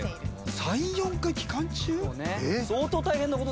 ３４回期間中？